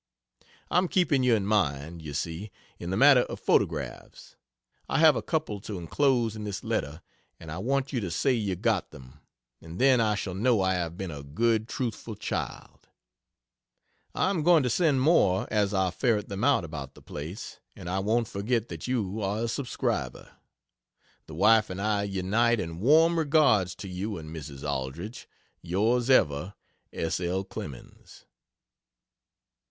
I'm keeping you in mind, you see, in the matter of photographs. I have a couple to enclose in this letter and I want you to say you got them, and then I shall know I have been a good truthful child. I am going to send more as I ferret them out, about the place. And I won't forget that you are a "subscriber." The wife and I unite in warm regards to you and Mrs. Aldrich. Yrs ever, S. L. CLEMENS.